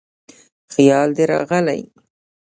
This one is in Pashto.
خیال دې راغلی